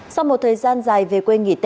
sau một thời gian dài về quê nghị